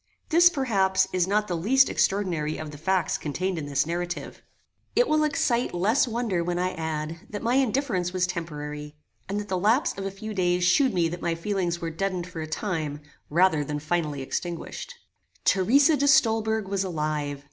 This, perhaps, is not the least extraordinary of the facts contained in this narrative. It will excite less wonder when I add, that my indifference was temporary, and that the lapse of a few days shewed me that my feelings were deadened for a time, rather than finally extinguished. Theresa de Stolberg was alive.